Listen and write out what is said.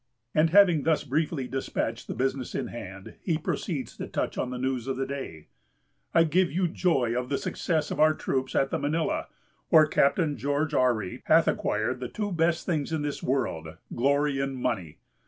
And having thus briefly despatched the business in hand, he proceeds to touch on the news of the day: "I give you joy of the success of our troops at the Manilla, where Captain George Ourry hath acquired the two best things in this world, glory and money.